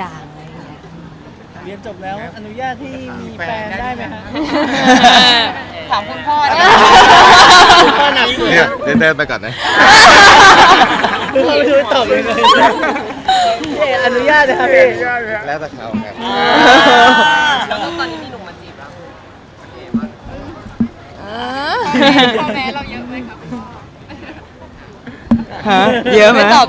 ยังคิดคำสั่งใหม่เรายิ่งเยอะไหมครับ